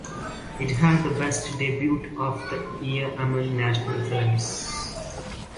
It had the best debut of the year among national films.